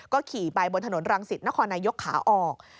ขี่ไปบนถนนรังสิตนครนายกขาออก